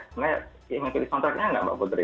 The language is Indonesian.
saya ingin pilih soundtrack nya nggak mbak budri